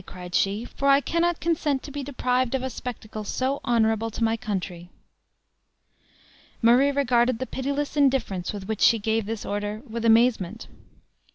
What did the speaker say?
cried she; "for I cannot consent to be deprived of a spectacle so honorable to my country." Murray regarded the pitiless indifference with which she gave this order with amazement.